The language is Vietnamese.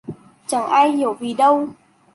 Chẳng ai hiểu vì đâu